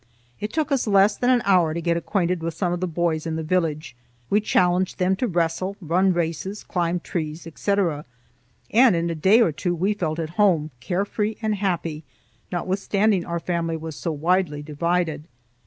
It took us less than an hour to get acquainted with some of the boys in the village; we challenged them to wrestle, run races, climb trees, etc., and in a day or two we felt at home, carefree and happy, notwithstanding our family was so widely divided.